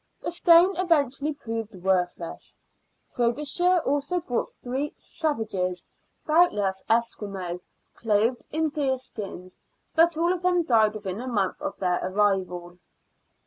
The stone eventually proved worthless . Frobisher also brought three " savages ,'' doubtless Esquimaux, clothed in deer skins, but all of them died within a month of their arrival.